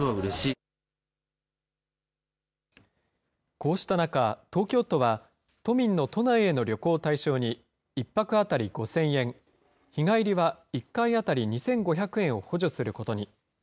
こうした中、東京都は、都民の都内への旅行を対象に、１泊当たり５０００円、日帰りは１回当たり２５００円を補助することに。